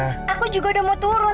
aku juga udah mau turun